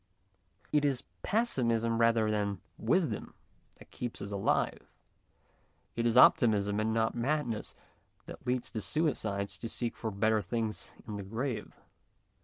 It is pessimism rather than 94 MONOLOGUES wisdom that keeps us alive ; it is optimism and not madness that leads the suicide to seek for better things in the grave.